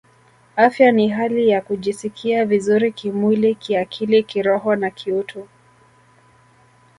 Afya ni hali ya kujisikia vizuri kimwili kiakili kiroho na kiutu